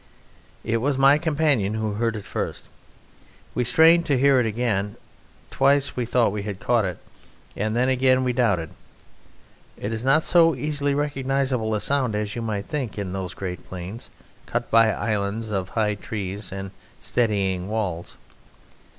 It was my companion who heard it first. We strained to hear it again; twice we thought we had caught it, and then again twice we doubted. It is not so easily recognizable a sound as you might think in those great plains cut by islands of high trees and steading walls.